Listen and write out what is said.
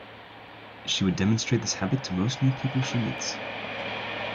She would demonstrate this habit to most new people she meets.